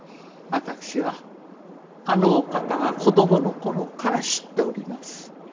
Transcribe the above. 私はあのお方が子供の頃から知っております。